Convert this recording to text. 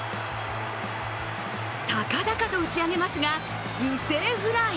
高々と打ち上げますが犠牲フライ。